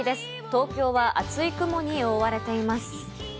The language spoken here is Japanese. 東京は厚い雲に覆われています。